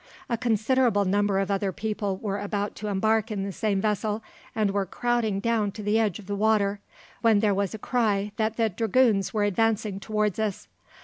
A considerable number of other people were about to embark in the same vessel, and were crowding down to the edge of the water, when there was a cry that the dragoons were advancing towards us.